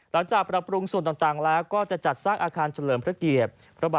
ปรับปรุงส่วนต่างแล้วก็จะจัดสร้างอาคารเฉลิมพระเกียรติ